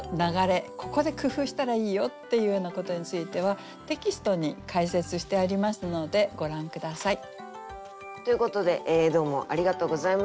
ここで工夫したらいいよっていうようなことについてはテキストに解説してありますのでご覧下さい。ということでどうもありがとうございました。